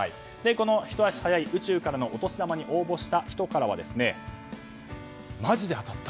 このひと足早い宇宙からのお年玉に応募した人はマジで当たった。